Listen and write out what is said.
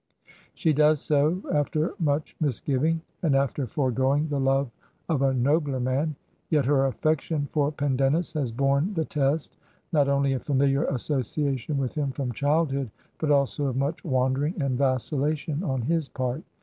She does so after much misgiving, and after foregoing the love of a nobler man ; yet her affection for Pendennis has borne the test not only of familiar association with him from childhood, but also of much wandering and vacillation on his part.